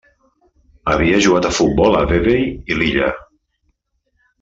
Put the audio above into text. Havia jugat a futbol a Vevey i Lilla.